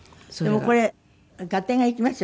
でもこれ合点がいきますよね。